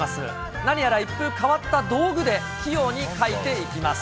何やら一風変わった道具で器用に描いていきます。